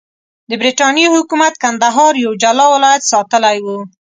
د برټانیې حکومت کندهار یو جلا ولایت ساتلی وو.